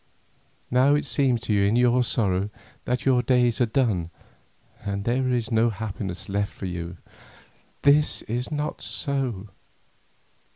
Now it seems to you in your sorrow, that your days are done and that there is no happiness left for you. This is not so.